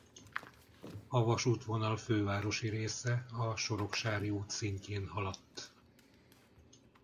A vasútvonal fővárosi része a Soroksári út szintjén haladt.